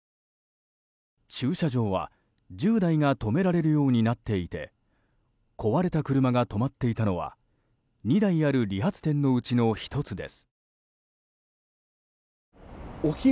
駐車場は１０台が止められるようになっていて壊れた車が止まっていたのは２台ある理髪店のうちの１つです。